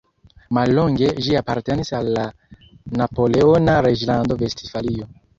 Mallonge ĝi apartenis al la napoleona reĝlando Vestfalio.